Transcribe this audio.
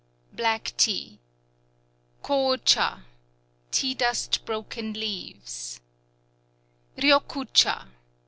. Black Tea Ko châ ... Tea Dust Broken Leaves Riyoku châ .